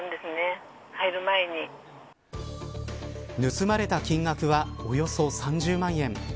盗まれた金額はおよそ３０万円。